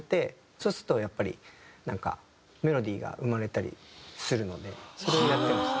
そうするとやっぱりなんかメロディーが生まれたりするのでそれをやってますね。